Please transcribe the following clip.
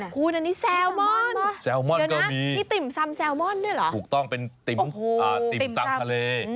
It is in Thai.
ขูนอันนี้แซลมอลนะนี่ติมซ่ำแซลมอลด้วยเหรอถูกต้องเป็นติมซ่ำทะเล